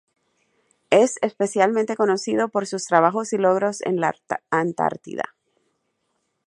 Es especialmente conocido por sus trabajos y logros en la Antártida.